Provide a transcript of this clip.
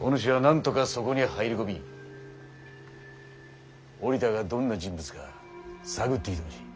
お主はなんとかそこに入り込み折田がどんな人物か探ってきてほしい。